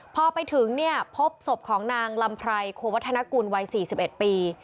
พอไปถึงเนี่ยพบศพของนางลำไพรโควัฒนกุลวัย๔๑ปี